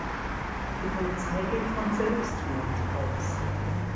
Die Polizei geht von Selbstmord aus.